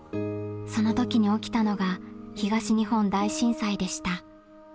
その時に起きたのが東日本大震災でした。